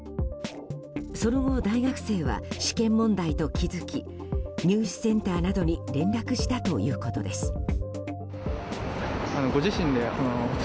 その後、大学生は試験問題と気付き入試センターなどに連絡したということです。